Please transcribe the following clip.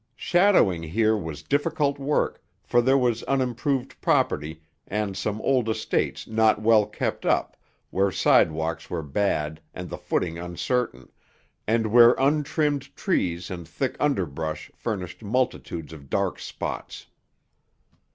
Shadowing here was difficult work, for there was unimproved property, and some old estates not well kept up, where sidewalks were bad and the footing uncertain, and where untrimmed trees and thick underbrush furnished multitudes of dark spots.